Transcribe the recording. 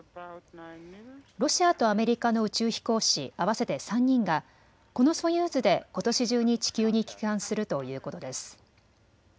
ロシアとアメリカの宇宙飛行士合わせて３人がこのソユーズでことし中に地球に帰還するということです。